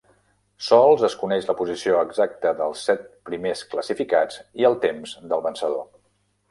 Sols es coneix la posició exacta dels set primers classificats i el temps del vencedor.